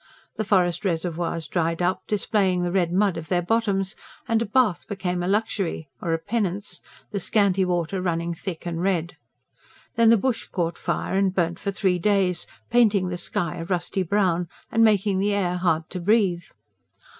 The forest reservoirs dried up, displaying the red mud of their bottoms, and a bath became a luxury or a penance the scanty water running thick and red. Then the bush caught fire and burnt for three days, painting the sky a rusty brown, and making the air hard to breathe.